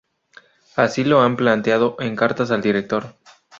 Así lo han planteado en cartas al Director.